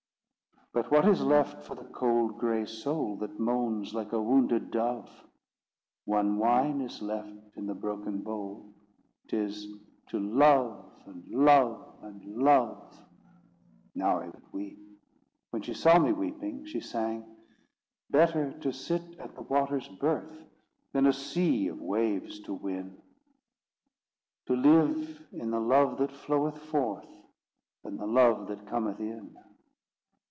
But what is left for the cold gray soul, That moans like a wounded dove? One wine is left in the broken bowl!— 'Tis—To love, and love and love. Now I could weep. When she saw me weeping, she sang: Better to sit at the waters' birth, Than a sea of waves to win; To live in the love that floweth forth, Than the love that cometh in.